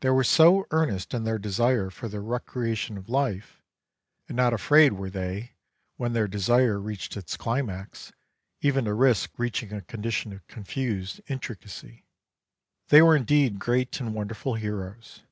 They were so earnest in their desire for the recreation of life, and not afraid were they, when their desire reached its climax, even to risk reaching a condition of confused intricacy. They were indeed great and wonderful heroes.